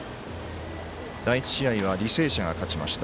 第１試合は、履正社が勝ちました。